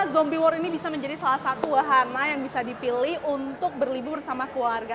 zombi war ini bisa menjadi salah satu wahana yang bisa dipilih untuk berlibur bersama keluarga